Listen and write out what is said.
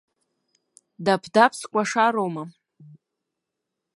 Даԥ-даԥ скәашароума?